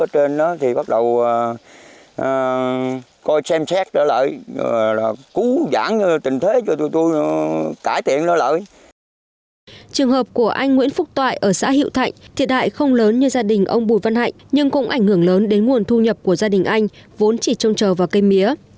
trường hợp của anh nguyễn phúc toại ở xã hiệu thạnh thiệt hại không lớn như gia đình ông bùi văn hạnh nhưng cũng ảnh hưởng lớn đến nguồn thu nhập của gia đình anh vốn chỉ trông chờ vào cây mía